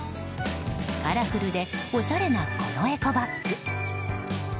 カラフルでおしゃれなこのエコバッグ。